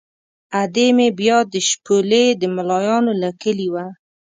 ادې مې بیا د شپولې د ملایانو له کلي وه.